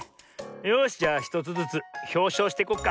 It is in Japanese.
よしじゃあ１つずつひょうしょうしていこっか。